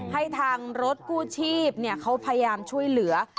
ให้ทางรถกู้ชีพเขาพยายามช่วยเหลือ